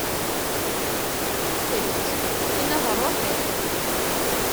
Ḥader-itt, tinna d rruḥ-iw.